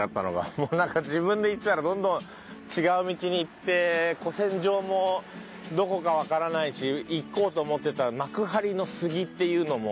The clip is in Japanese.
もうなんか自分で行ってたらどんどん違う道に行って古戦場もどこかわからないし行こうと思ってた幕張の杉っていうのも全然わからないな。